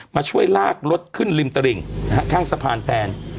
มาช่วยลากรถขึ้นริมตลิ่งข้างสะพานแทน